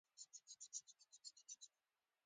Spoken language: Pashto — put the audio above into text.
زړه مو چاودون ته نږدې کیږي